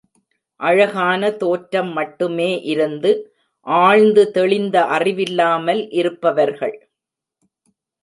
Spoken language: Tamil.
அழகான தோற்றம் மட்டுமே இருந்து, ஆழ்ந்து தெளிந்த அறிவில்லாமல் இருப்பவர்கள்